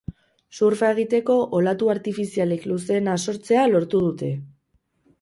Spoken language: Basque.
Surfa egiteko olatu artifizialik luzeena sortzea lortu dute.